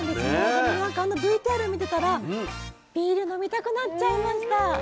でもなんかあのＶＴＲ見てたらビール飲みたくなっちゃいました。